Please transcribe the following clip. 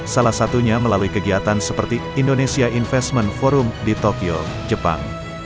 salah satunya melalui kegiatan seperti indonesia investment forum di tokyo jepang